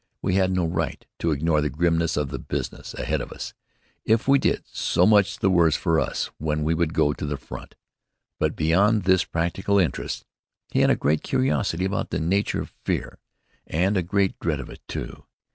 We had no right to ignore the grimness of the business ahead of us. If we did, so much the worse for us when we should go to the front. But beyond this practical interest, he had a great curiosity about the nature of fear, and a great dread of it, too.